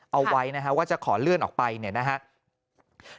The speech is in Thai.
เอาไว้ว่าจะขอเลื่อนออกไปนะครับ